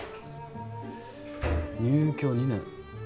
入居２年。